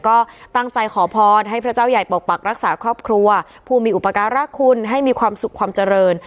ก็ตั้งใจขอพรให้พระเจ้าใหญ่ปกปักรักษาครอบครัวผู้มีอุปการรักคุณให้มีความสุขความเจริญ